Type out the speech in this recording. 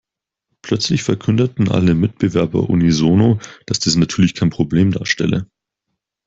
Plötzlich verkündeten alle Mitbewerber unisono, dass dies natürlich kein Problem darstelle.